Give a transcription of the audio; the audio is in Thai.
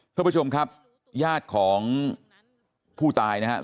เพื่อผู้ชมครับญาติของผู้ตายนะครับ